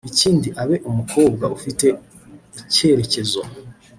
ikindi abe umukobwa ufite icyerekezo